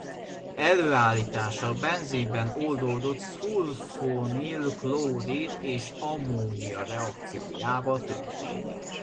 Előállítása benzinben oldott szulfonil-klorid és ammónia reakciójával történik.